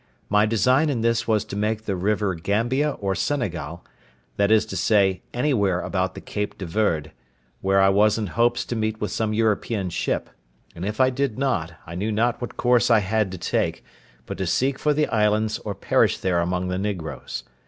My design in this was to make the river Gambia or Senegal, that is to say anywhere about the Cape de Verde, where I was in hopes to meet with some European ship; and if I did not, I knew not what course I had to take, but to seek for the islands, or perish there among the negroes.